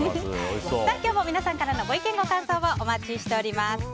今日も皆様からのご意見ご感想をお待ちしております。